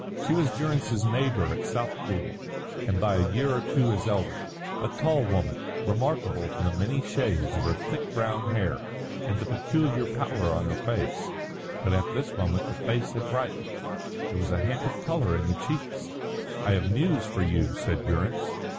She was Durrance's neighbour at Southpool, and by a year or two his elder a tall woman, remarkable for the many shades of her thick brown hair and the peculiar pallor on her face. But at this moment the face had brightened, there was a hint of colour in the cheeks. "I have news for you," said Durrance.